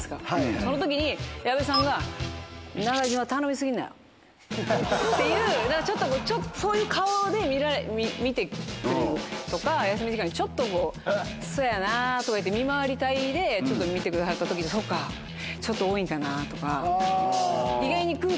そのときに、矢部さんが、中島、頼み過ぎんなよっていう、ちょっとそういう顔で見てくるとか、休み時間に、ちょっとこう、そやなあとか言って、見回り隊で、ちょっと見てくださったときに、そうか、ちょっと多いんかなとか。